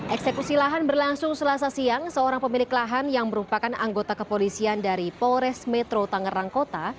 eksekusi lahan berlangsung selasa siang seorang pemilik lahan yang merupakan anggota kepolisian dari polres metro tangerang kota